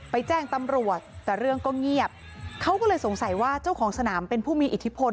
แจ้งตำรวจแต่เรื่องก็เงียบเขาก็เลยสงสัยว่าเจ้าของสนามเป็นผู้มีอิทธิพล